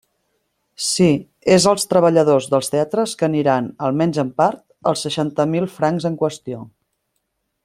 Sí, és als treballadors dels teatres que aniran, almenys en part, els seixanta mil francs en qüestió.